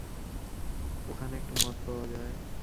ওখানে একটা মদ পাওয়া যায়।